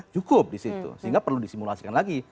cukup disitu sehingga perlu disimulasikan lagi